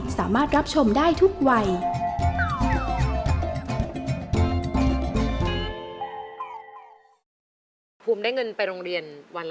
สามารถรับชมได้ทุกวัย